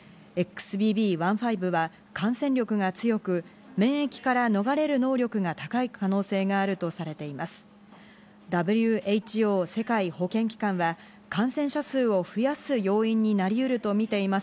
ＸＢＢ．１．５は感染力が強く、免疫から逃れる能力が高い可能性があるとされています。